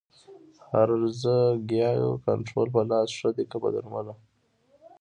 د هرزه ګیاوو کنټرول په لاس ښه دی که په درملو؟